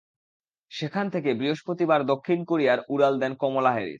সেখান থেকে বৃহস্পতিবার দক্ষিণ কোরিয়ায় উড়াল দেন কমলা হ্যারিস।